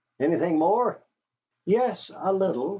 "Anything more?" "Yes, a little."